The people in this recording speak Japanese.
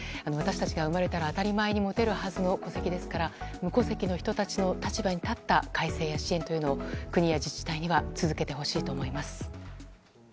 私たちが生まれたら当たり前に持てるはずの戸籍ですから無戸籍の人たちの立場に立った改正や支援というのを国や自治体には続けてほしいと思います。